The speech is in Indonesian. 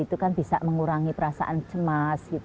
itu kan bisa mengurangi perasaan cemas